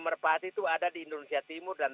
merpati itu ada di indonesia timur dan